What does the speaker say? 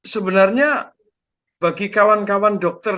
sebenarnya bagi kawan kawan dokter